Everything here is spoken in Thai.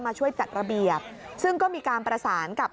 ช่วยจัดระเบียบซึ่งก็มีการประสานกับ